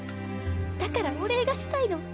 だからお礼がしたいの。